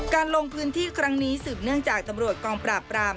ลงพื้นที่ครั้งนี้สืบเนื่องจากตำรวจกองปราบปราม